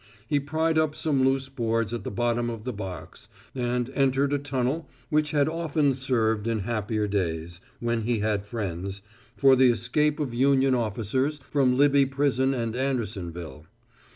He pried up some loose boards at the bottom of the box, and entered a tunnel which had often and often served in happier days when he had friends for the escape of Union officers from Libby Prison and Andersonville.